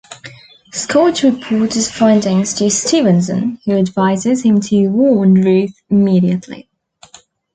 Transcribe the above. Scott reports his findings to Stevenson, who advises him to warn Ruth immediately.